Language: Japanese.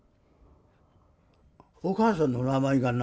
お母さんの名前がな